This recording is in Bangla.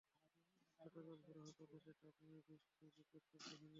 গতকাল ভোরে হঠাৎ দুটি ট্রাক নিয়ে ব্রিজটি বিকট শব্দে ভেঙে পড়ে।